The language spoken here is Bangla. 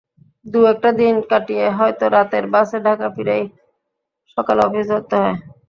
দু-একটা দিন কাটিয়ে হয়তো রাতের বাসে ঢাকা ফিরেই সকালে অফিস ধরতে হয়।